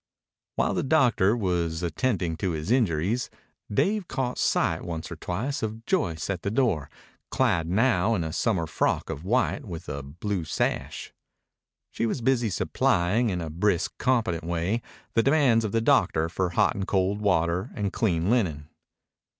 While the doctor was attending to his injuries, Dave caught sight once or twice of Joyce at the door, clad now in a summer frock of white with a blue sash. She was busy supplying, in a brisk, competent way, the demands of the doctor for hot and cold water and clean linen.